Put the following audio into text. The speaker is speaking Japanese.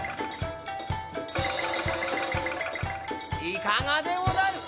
いかがでござる？